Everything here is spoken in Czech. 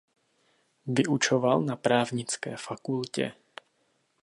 Vyučoval na právnické fakultě.